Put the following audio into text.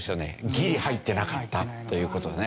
ギリ入ってなかったという事でね。